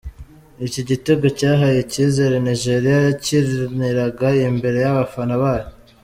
Iki gitego cyahaye icyizere Nigeriya yakiniraga imbere y’abafana bayo.